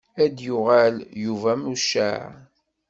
Ad yuɣal Yuba mucaɛ.